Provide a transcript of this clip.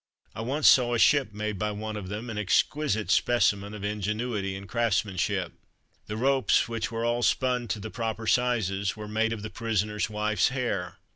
I once saw a ship made by one of them an exquisite specimen of ingenuity and craftsmanship. The ropes, which were all spun to the proper sizes, were made of the prisoner's wife's hair.